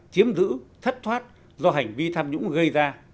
chiếm giữ thất thoát do hành vi tham nhũng gây ra